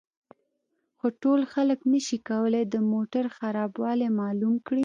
خو ټول خلک نشي کولای د موټر خرابوالی معلوم کړي